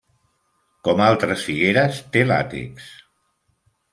Com altres figueres, té làtex.